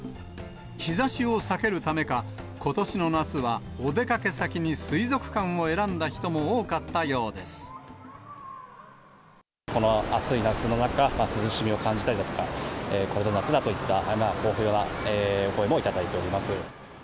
日ざしを避けるためか、ことしの夏はお出かけ先に水族館を選んだこの暑い夏の中、涼しみを感じたりだとか、これぞ夏だといった好評なお声も頂いております。